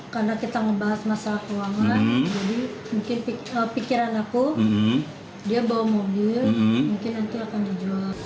karena kita membahas masalah keuangan jadi mungkin pikiran aku dia bawa mobil mungkin nanti akan dijual